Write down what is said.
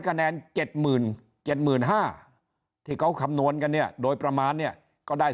คะแนน๗๗๕๐๐ที่เขาคำนวณกันเนี่ยโดยประมาณเนี่ยก็ได้